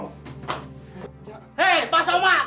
hei pak somad